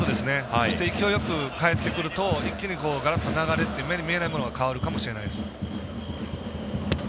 そして、勢いよく帰ってくると一気にがらっと流れが目に見えないものが変わるかもしれないです。